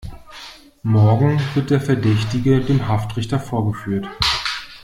Morgen wird der Verdächtige dem Haftrichter vorgeführt.